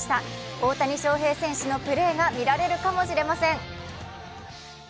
大谷翔平選手のプレーが見られるかもしれません。